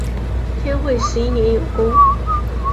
天会十一年有功。